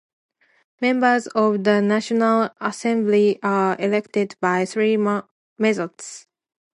Members of the National Assembly are elected by three methods.